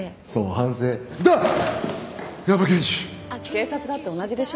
警察だって同じでしょ。